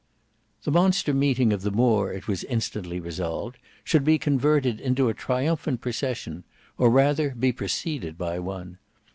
The monster meeting of the Moor it was instantly resolved should be converted into a triumphant procession, or rather be preceded by one.